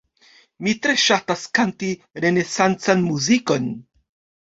Mi tre ŝatas kanti renesancan muzikon.